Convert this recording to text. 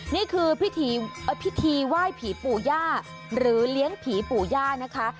นี่คือพิธีไหว้ผีปู่ย่าหรือเลี้ยงผีปู่ย่านะคะ